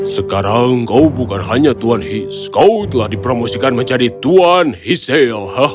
sekarang kau bukan hanya tuan his kau telah dipromosikan menjadi tuan hisale